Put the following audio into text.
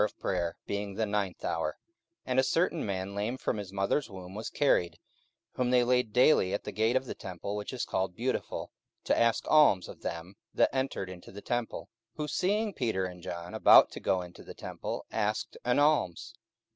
44:003:002 And a certain man lame from his mother's womb was carried, whom they laid daily at the gate of the temple which is called Beautiful, to ask alms of them that entered into the temple; 44:003:003 Who seeing Peter and John about to go into the temple asked an alms.